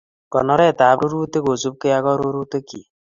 Konoret ab rurutik kosupkei ak arorutikchi